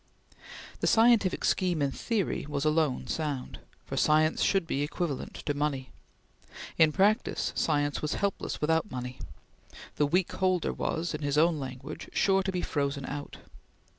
The scientific scheme in theory was alone sound, for science should be equivalent to money; in practice science was helpless without money. The weak holder was, in his own language, sure to be frozen out.